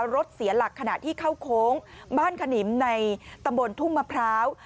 รถเสียหลักขณะที่เข้าโค้งบ้านขนิมในตำบลทุ่งมะพร้าว